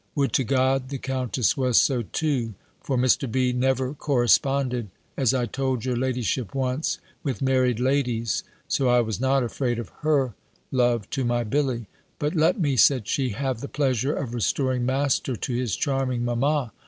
Would to God, the Countess was so too! for Mr. B. never corresponded, as I told your ladyship once, with married ladies: so I was not afraid of her love to my Billy. "But let me," said she, "have the pleasure of restoring Master to his charming mamma.